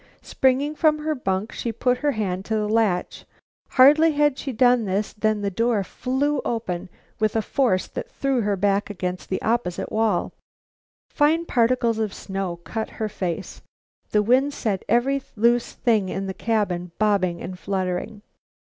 Springing from her bunk, she put her hand to the latch. Hardly had she done this than the door flew open with a force that threw her back against the opposite wall. Fine particles of snow cut her face. The wind set every loose thing in the cabin bobbing and fluttering.